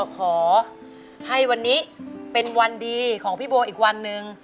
ขอให้วันนี้เป็นวันดีของพี่บัวอีกวันหนึ่ง